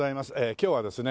今日はですね